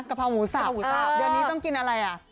เพราหมูสับเดี๋ยวนี้ต้องกินอะไรอ่ะ